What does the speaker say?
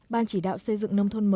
ban chỉ đạo xây dựng nông thôn mới